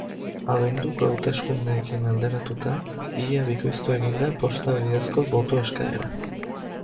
Abenduko hauteskundeekin alderatuta, ia bikoiztu egin da posta bidezko boto eskaera.